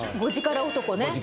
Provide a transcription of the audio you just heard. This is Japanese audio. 「５時から男」ね。